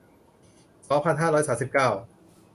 สองพันห้าร้อยสามสิบเก้า